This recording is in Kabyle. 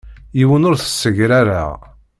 Yiwen ur t-ssegrareɣ.